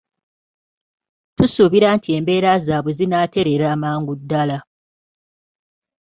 Tusuubira nti embeera zaabwe zinaaterera amangu ddala.